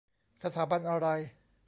สถาบันอะไร ?